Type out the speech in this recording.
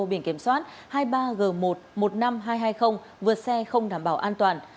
biển kiểm soát hai mươi ba g một một mươi năm nghìn hai trăm hai mươi vượt xe không đảm bảo an toàn